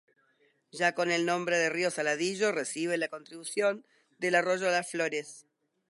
Ya con el nombre de río Saladillo recibe la contribución del arroyo Las Flores.